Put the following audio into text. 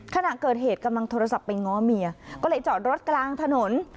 ขณะเกิดเหตุกำลังโทรศัพท์ไปง้อเมียก็เลยจอดรถกลางถนน